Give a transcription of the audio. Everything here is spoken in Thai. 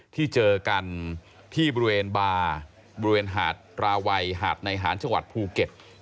ที่เจอกันที่บริเวณบาร์บริเวณหาดราวัยหาดในหานจังหวัดภูเก็ต